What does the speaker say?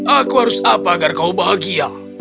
aku harus apa agar kau bahagia